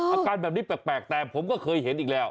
อาการแบบนี้แปลกแต่ผมก็เคยเห็นอีกแล้ว